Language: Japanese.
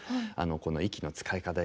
この息の使い方で。